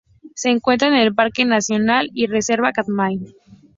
Se encuentra en el Parque Nacional y Reserva Katmai.